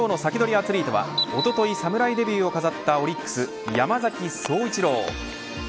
アツリートはおととい、侍デビューを飾ったオリックス、山崎颯一郎。